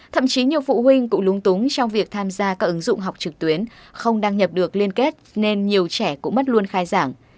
thậm chí nhiều phụ huynh cũng lúng túng trong việc tham gia các ứng dụng học trực tuyến không đăng nhập được liên kết nên nhiều trẻ cũng mất luôn khai giảng